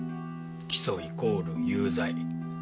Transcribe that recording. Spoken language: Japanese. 起訴イコール有罪。